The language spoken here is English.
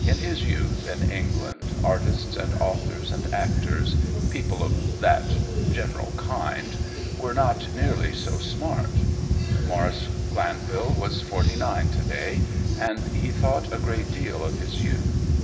In his youth, in England, artists and authors and actors — people of that general kind — were not near ly so " smart" Maurice Glanvil was forty nine to day, and hd thought a great deal of his youth.